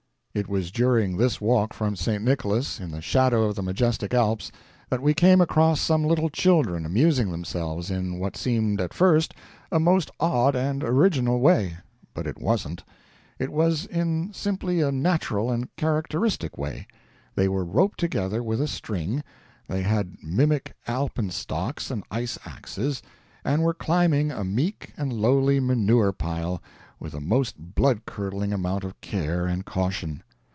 It was during this walk from St. Nicholas, in the shadow of the majestic Alps, that we came across some little children amusing themselves in what seemed, at first, a most odd and original way but it wasn't; it was in simply a natural and characteristic way. They were roped together with a string, they had mimic alpenstocks and ice axes, and were climbing a meek and lowly manure pile with a most blood curdling amount of care and caution.